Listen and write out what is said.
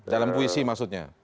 dalam puisi maksudnya